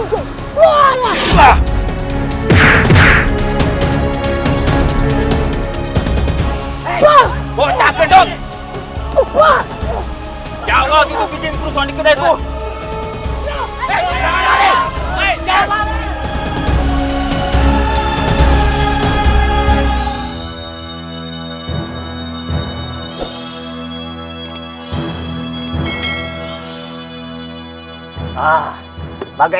sobat setting utama